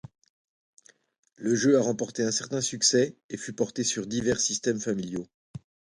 Le jeu a remporté un certain succès et fut porté sur divers systèmes familiaux.